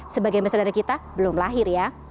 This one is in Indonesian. sebagai mesra dari kita belum lahir ya